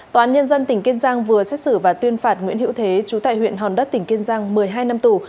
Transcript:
tòa án nhân dân tỉnh kiên giang vừa xét xử và tuyên phạt nguyễn hiễu thế chú tại huyện hòn đất tỉnh kiên giang một mươi hai năm tù